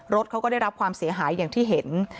รถเขาก็ได้รับความเสียหายอย่างที่เห็น